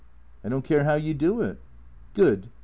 " I don't care how you do it." " Good."